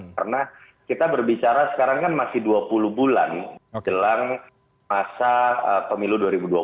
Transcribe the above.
karena kita berbicara sekarang kan masih dua puluh bulan jelang masa pemilu dua ribu dua puluh empat